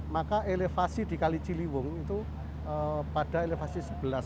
maka elevasi di kali ciliwung itu pada elevasi sebelas